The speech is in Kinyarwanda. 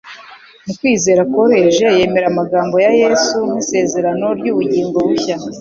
Mu kwizera koroheje yemera amagambo ya Yesu nk'isezerano ry'ubugingo bushya.